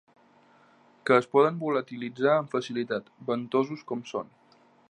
Que es poden volatilitzar amb facilitat, ventosos com són.